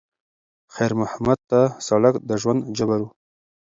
خیر محمد ته سړک د ژوند جبر و.